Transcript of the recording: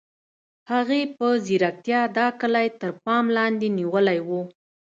هغې په ځیرتیا دا کلی تر پام لاندې نیولی و